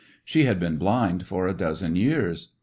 She had been blind for a dozen years.